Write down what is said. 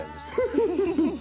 ウフフフ！